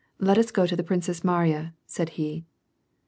Let us go to the Princess Mariya," said he.